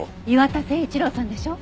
磐田誠一郎さんでしょ？